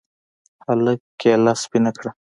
هلك کېله سپينه کړه.